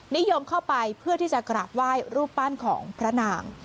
นิยมเข้าไปเพื่อที่จะกราบไหว้รูปปั้นของพระนาง